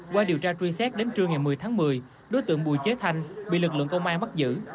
qua điều tra truy xét đến trưa ngày một mươi tháng một mươi đối tượng bùi chế thanh bị lực lượng công an bắt giữ